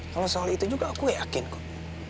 kalau soal itu juga aku yakin kok